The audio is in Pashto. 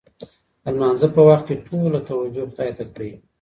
د لمانځه په وخت کې ټوله توجه خدای ته کړئ.